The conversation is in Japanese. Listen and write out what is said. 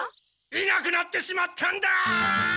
いなくなってしまったんだ！